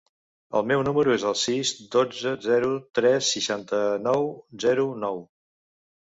El meu número es el sis, dotze, zero, tres, seixanta-nou, zero, nou.